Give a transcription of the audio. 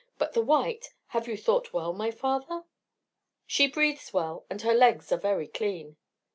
But the white have you thought well, my father?" "She breathes well, and her legs are very clean."